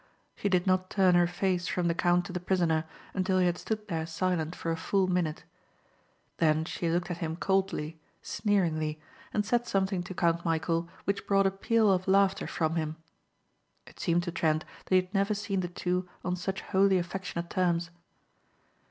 She did not turn her face from the count to the prisoner until he had stood there silent for a full minute. Then she looked at him coldly, sneeringly, and said something to Count Michæl which brought a peal of laughter from him. It seemed to Trent that he had never seen the two on such wholly affectionate terms.